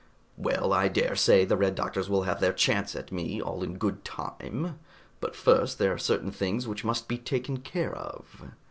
"Well, I dare say the Red Doctors will have their chance at me, all in good time. But first there are certain things which must be taken care of."